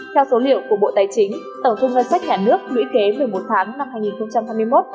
theo số liệu của bộ tài chính tổng thu ngân sách nhà nước lũy kế một mươi một tháng năm hai nghìn hai mươi một